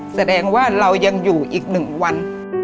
แสดงว่าเรายังอยู่อีก๑วัน